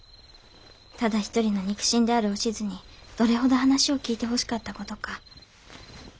ただ一人の肉親であるおしづにどれほど話を聞いてほしかった事か。